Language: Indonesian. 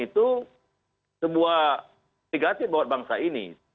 itu sebuah tiga tip buat bangsa ini